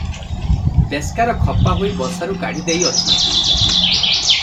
ପେସ୍କାର ଖପା ହୋଇ ବସାରୁ କାଢି ଦେଇଅଛନ୍ତି ।